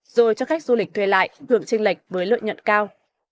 rồi cho khách du lịch thuê lại hưởng trinh lệch với lợi nhuận cao